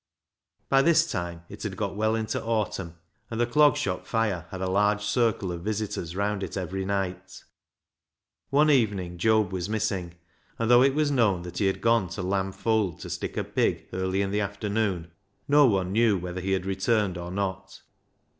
By this time it had got well on into autumn, and the Clog Shop fire had a large circle of visitors round it every night. One evening Job was missing, and though it was known that he had gone to Lamb Fold to " stick a pig " early in the afternoon, no one knew whether he had returned or not.